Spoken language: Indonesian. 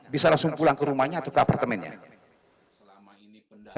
bisa langsung pulang ke rumahnya atau ke apartemennya